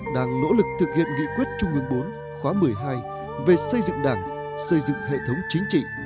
đang nỗ lực thực hiện nghị quyết trung ương bốn khóa một mươi hai về xây dựng đảng xây dựng hệ thống chính trị